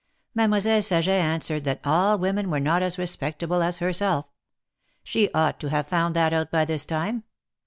Mademoiselle Saget answered that all women were not as respectable as herself. She ought to have found that out by this time.